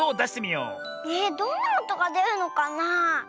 えどんなおとがでるのかなあ。